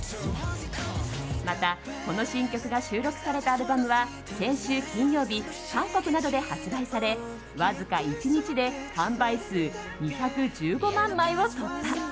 また、この新曲が収録されたアルバムは先週金曜日、韓国などで発売されわずか１日で販売数２１５万枚を突破。